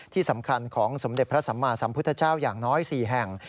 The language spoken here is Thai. ที่สำคัญของสมเด็จพระสัมมาสัมพุทธเจ้าอย่างน้อย๔แห่ง